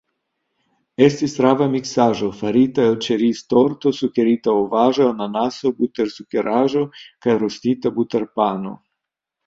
Estis rava miksaĵo farita el ĉeriztorto, sukerita ovaĵo, ananaso, butersukeraĵo kaj rostita buterpano.